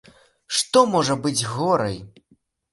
Што можа быць горай?